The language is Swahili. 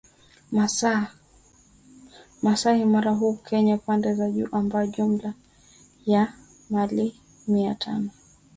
Masai Mara huko Kenya pande za juu ambayo jumla ya maili Mia tano